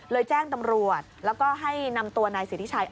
แจ้งตำรวจแล้วก็ให้นำตัวนายสิทธิชัย